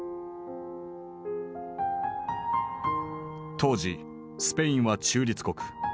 当時スペインは中立国。